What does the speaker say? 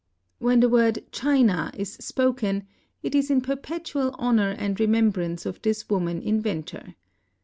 When the word China is spoken, it is in perpetual honor and remembrance of this woman inventor.